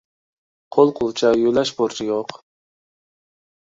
قول قولچە يۆلەش بۇرچى يوق.